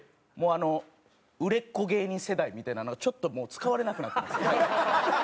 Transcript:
もう「売れっ子芸人世代」みたいなのはちょっともう使われなくなってます。